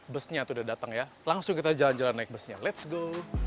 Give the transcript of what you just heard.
busnya sudah datang ya langsung kita jalan jalan naik busnya let's go